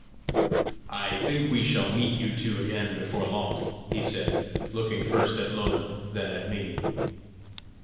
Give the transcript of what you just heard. "I think we shall meet you two again before long," he said, looking first at Lona, then at me.